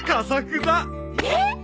えっ！？